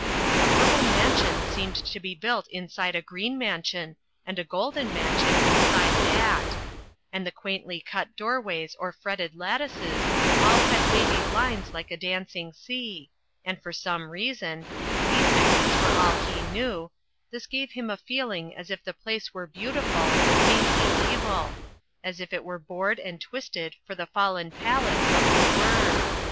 A purple mansion seemed to be built inside a green mansion and a golden mansion inside that And the quaintly cut doorways or fretted lattices all had wavy lines like a dancing sea, and for some reason (sea sickness for all he knew) this gave him a feeling as if the place were beautiful but faintly evil: as if it were bored and twisted for th^fallen palace of the Worm.